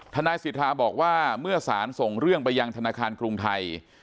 ทนายสิทธาบอกว่าเมื่อสารส่งเรื่องไปยังธนาคารกรุงไทย